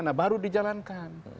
nah baru dijalankan